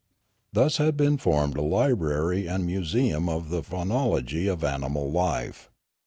Thus had been formed a library and museum of the phonology of animal life.